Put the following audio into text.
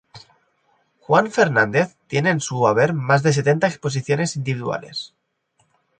Juan Fernández tiene en su haber más de setenta exposiciones individuales.